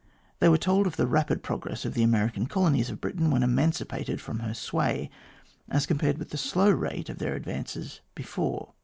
They were told of the r#pid progress of the American colonies of Britain when emancipated from her sway, as compared with the slow rate of their advances before.